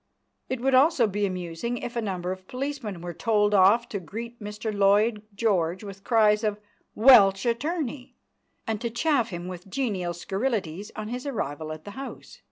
It would also be amusing if a number of policemen were told off to greet Mr Lloyd George with cries of "Welsh attorney," and to chaff him with genial scurrilities on his arrival at the House.